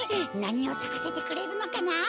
なにをさかせてくれるのかな？